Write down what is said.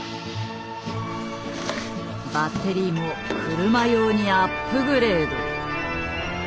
バッテリーも車用にアップグレード。